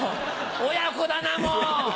親子だなもう！